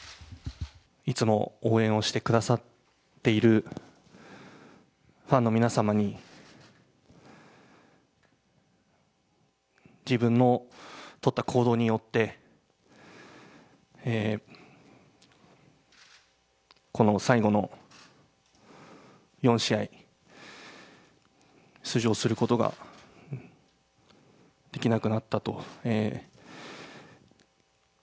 いつも応援をしてくださっているファンの皆様に、自分の取った行動によって、この最後の４試合、出場することができなくなったと。